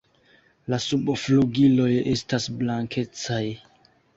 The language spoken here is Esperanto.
La subflugiloj estas blankecaj.